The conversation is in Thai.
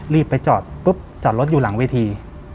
รีบไปจอดปุ๊บจอดรถอยู่หลังเวที